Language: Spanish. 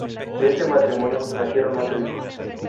De este matrimonio nacieron ocho hijos.